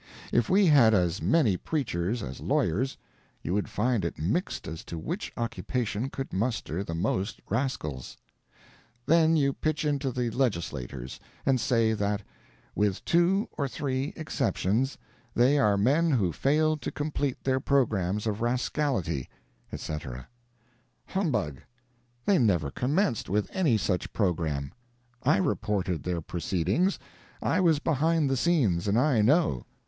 If we had as many preachers as lawyers, you would find it mixed as to which occupation could muster the most rascals. Then you pitch into the legislators, and say that, "with two or three exceptions, they are men who failed to complete their programmes of rascality," etc. Humbug! They never commenced any such programme. I reported their proceedings—I was behind the scenes, and I know.